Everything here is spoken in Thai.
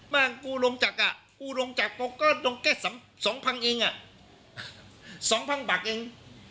บ้างกูลงจากก็ลงแก้สองพังเองสองพังบักเอง